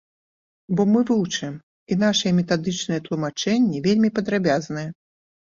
Бо мы вучым, і нашы метадычныя тлумачэнні вельмі падрабязныя.